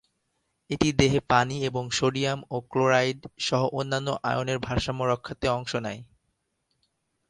এটি দেহে পানি এবং সোডিয়াম ও ক্লোরাইড সহ অন্যান্য আয়নের ভারসাম্য রক্ষার্থে অংশ নেয়।